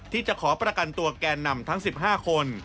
ที่จะขอประกันตัวแกนนำทั้ง๑๕คน